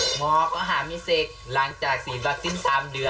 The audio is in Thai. บอร์กเขาหามิสิกหลังจากฉีดบักซิ้น๓เดือน